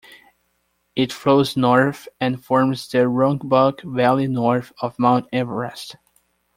It flows north and forms the Rongbuk Valley north of Mount Everest.